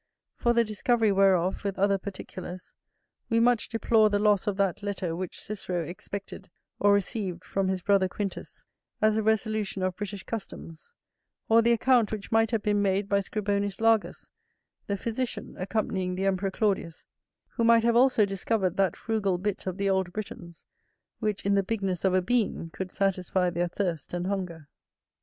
For the discovery whereof, with other particulars, we much deplore the loss of that letter which Cicero expected or received from his brother Quintus, as a resolution of British customs; or the account which might have been made by Scribonius Largus, the physician, accompanying the Emperor Claudius, who might have also discovered that frugal bit of the old Britons, which in the bigness of a bean could satisfy their thirst and hunger.